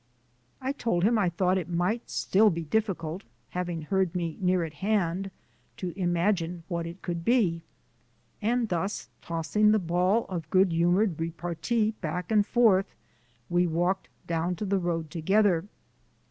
I told him I thought it might still be difficult, having heard me near at hand, to imagine what it could be and thus, tossing the ball of good humoured repartee back and forth, we walked down to the road together.